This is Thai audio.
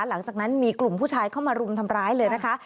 หลังจากนั้นมีกลุ่มผู้ชายเข้ามารุมทำร้ายเลยนะคะ